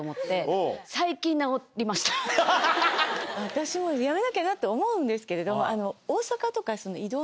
私もやめなきゃなって思うんですけれど。